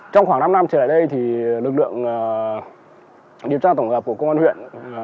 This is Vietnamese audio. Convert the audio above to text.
trong khoảng năm năm trở lại đây lực lượng điều tra tổng hợp của công an huyện